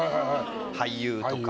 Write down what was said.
俳優とか。